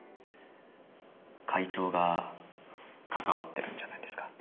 会長が関わってるんじゃないんですか？